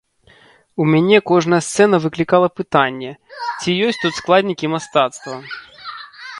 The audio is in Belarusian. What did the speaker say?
У мяне кожная сцэна выклікала пытанне, ці ёсць тут складнікі мастацтва.